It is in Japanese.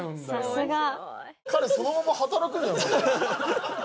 さすが。